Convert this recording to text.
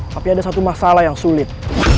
tapi ada satu masalah yang sulit